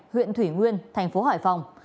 huyện thủy nguyên thành phố hải phòng